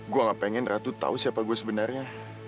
gue gak pengen ratu tahu siapa gue sebenarnya